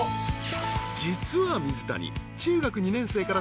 ［実は水谷］